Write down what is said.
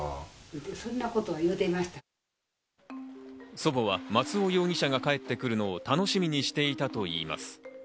祖母は松尾容疑者が帰ってくるのを楽しみにしていたといいます。